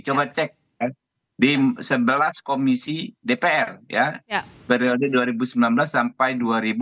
coba cek di sebelas komisi dpr ya periode dua ribu sembilan belas sampai dua ribu dua puluh